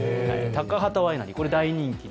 高畠ワイナリー、これが大人気で。